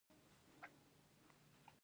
دا جینۍ ډېره هوښیاره ده